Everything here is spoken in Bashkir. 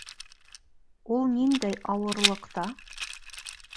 Ул ниндәй ауырлыҡта?